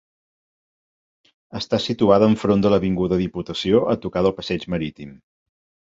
Està situada enfront de l’avinguda Diputació, a tocar del passeig marítim.